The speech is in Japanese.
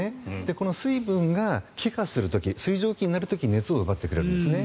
この水分が気化する時水蒸気になる時に熱を奪ってくれるんですね。